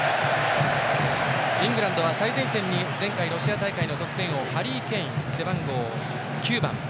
イングランドは最前線に前回ロシア大会の得点王、ハリー・ケイン背番号９番。